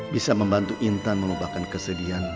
bisa membantu intan mengubahkan kesedihan